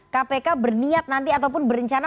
kpk berniat nanti ataupun berencana